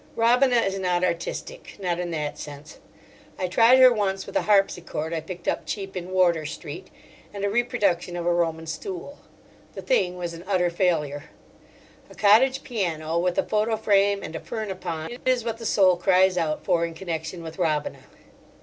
Robina is not artistic, not in that sense. I tried her once with a harpsichord I picked up cheap in Wardour Street, and a reproduction of a Roman stool. The thing was an utter failure. A cottage piano, with a photo frame and a fern upon, it is what the soul cries out for in connection with Robina.